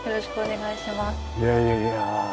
いやいやいや。